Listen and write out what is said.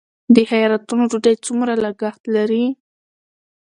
د خیراتونو ډوډۍ څومره لګښت لري؟